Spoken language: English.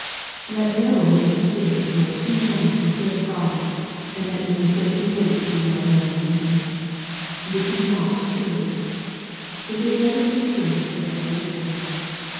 Let no one make you think that you are too young to serve God, and that you may safely wait till you are men and women. This is not true. It is never too soon to take up religion.